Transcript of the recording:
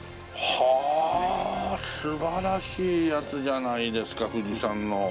はあ素晴らしいやつじゃないですか富士山の。